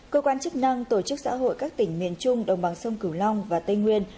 cơ quan chức năng tổ chức xã hội các tỉnh miền trung đồng bằng sông cửu long và tây nguyên